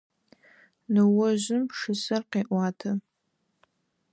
Ныожъым пшысэр къеӏуатэ.